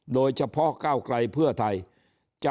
โดยเฉพาะก้าวไกรเพื่อไทย